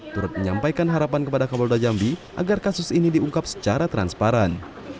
turut menyampaikan harapan kepada kapolda jambi agar kasus ini diungkap secara transparan